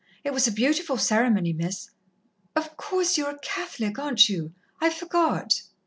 It was a beautiful ceremony, Miss." "Of course, you're a Catholic, aren't you? I forgot."